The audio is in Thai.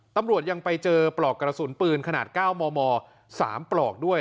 ตำรวจยังไปเจอปลอกกระสุนปืนขนาด๙มม๓ปลอกด้วย